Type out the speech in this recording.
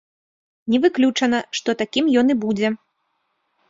Не выключана, што такім ён і будзе.